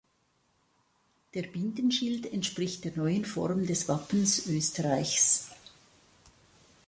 Der Bindenschild entspricht der „neuen“ Form des Wappens Österreichs.